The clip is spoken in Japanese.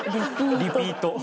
「リピート」。